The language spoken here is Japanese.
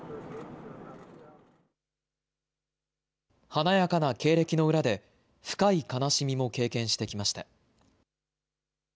華やかな経歴の裏で深い悲しみも経験してきました。